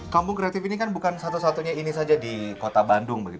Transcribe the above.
kampung kreatif ini kan bukan satu satunya ini saja di kota bandung